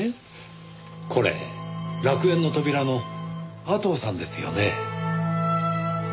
これ楽園の扉の阿藤さんですよね？